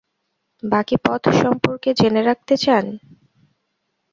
বাকি পথ সম্পর্কে জেনে রাখতে চান?